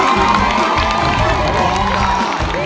น้องจอยร้องได้